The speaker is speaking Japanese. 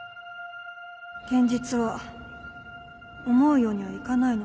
現実は思うようにはいかないの